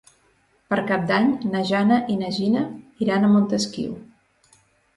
Per Cap d'Any na Jana i na Gina iran a Montesquiu.